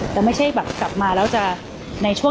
แต่ไม่ใช่แบบกลับมาแล้วจะ